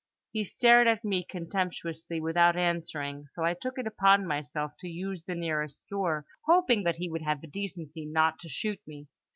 —He stared at me contemptuously without answering; so I took it upon myself to use the nearest door, hoping that he would have the decency not to shoot me.